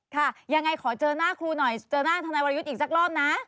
ค่ะยังไงขอเจอหน้าครูหน่อยเจอหน้าทนายวรยุทธ์อีกสักรอบนะ